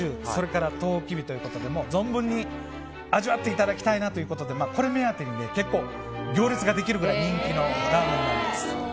更にトウキビということで存分に味わっていただきたいなということでこれ目当てに行列ができるぐらい人気のラーメンです。